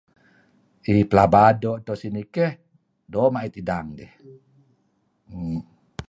um Pelaba do so sinih keh , do mait idang dih[um].